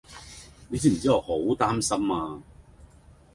你知唔知我好擔心呀